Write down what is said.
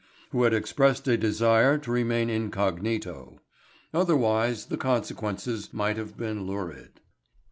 who had expressed a desire to remain incognito. Otherwise the consequences might have been lurid.